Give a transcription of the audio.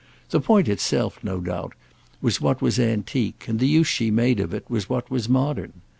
The point itself, no doubt, was what was antique, and the use she made of it what was modern.